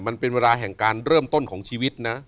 มันเป็นเวลาแห่งการเริ่มต้นของชีวิตนะ